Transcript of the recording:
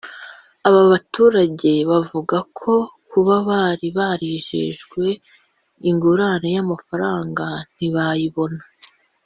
Aba baturage bavuga ko kuba bari barijejwe ingurane y’amafaranga ntibayibone